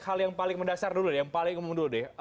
hal yang paling mendasar dulu deh yang paling ngomong dulu deh